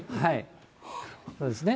そうですね。